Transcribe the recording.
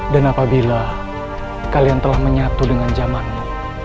dan apabila kalian telah menyatu dengan zamanmu